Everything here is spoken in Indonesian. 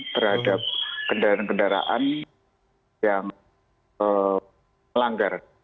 terhadap kendaraan kendaraan yang melanggar